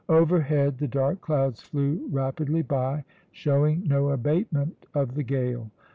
Overhead the dark clouds flew rapidly by, showing no abatement of the gale.